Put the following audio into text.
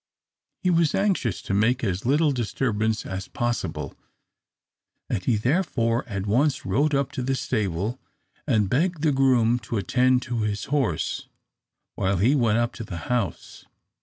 He was anxious to make as little disturbance as possible, and he therefore at once rode up to the stable, and begged the groom to attend to his horse while he went up to the house.